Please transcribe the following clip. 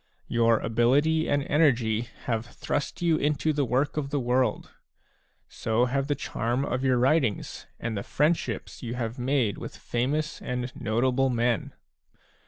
Your ability and energy have thrust you into the work of the world ; so have the charm of your writings and the friendships you have made with famous and notable men.